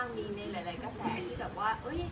แล้วก็มีหลักแสดงว่าเป็นห่วงตัวเน่าในการทำตัวนี้ไหมคะ